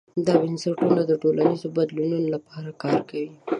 دا بنسټونه د ټولنیزو بدلونونو لپاره کار کوي.